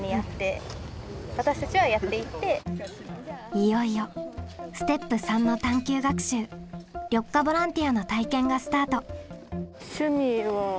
いよいよステップ③の探究学習緑化ボランティアの体験がスタート。